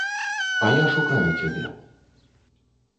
А я шукаю цябе.